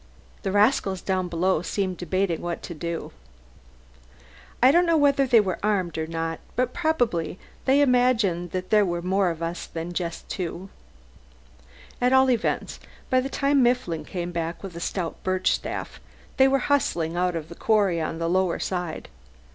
The rascals down below seemed debating what to do. I don't know whether they were armed or not; but probably they imagined that there were more than two of us. At all events, by the time Mifflin came back with a stout birch staff they were hustling out of the quarry on the lower side.